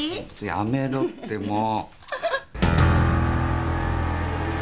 やめろってもう！